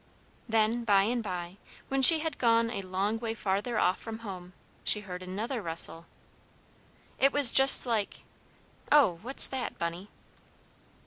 "Then, by and by, when she had gone a long way farther off from home, she heard another rustle. It was just like Oh, what's that, Bunny?"